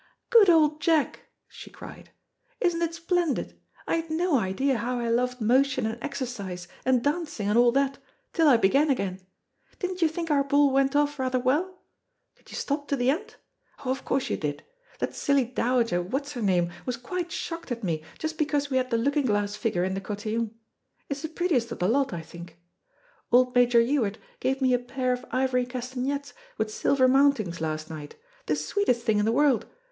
"Good old Jack," she cried, "isn't it splendid! I had no idea how I loved motion and exercise and dancing and all that till I began again. Didn't you think our ball went off rather well? Did you stop, to the end? Oh, of course you did. That silly dowager What's her name was quite shocked at me, just because we had the looking glass figure in the cotillion. It's the prettiest of the lot, I think. Old Major Ewart gave me a pair of ivory castanets with silver mountings last night, the sweetest things in the world.